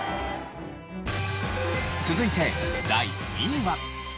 続いて第２位は。